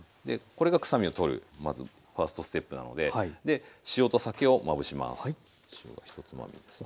これが臭みを取るまずファーストステップなので塩と酒をまぶします。